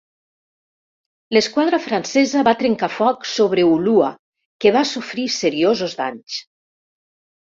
L'esquadra francesa va trencar foc sobre Ulúa que va sofrir seriosos danys.